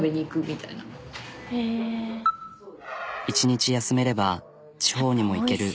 １日休めれば地方にも行ける。